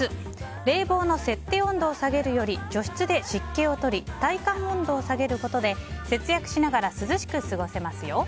冷房の設定温度を下げるより除湿で湿気を取り体感温度を下げることで節約しながら涼しく過ごせますよ。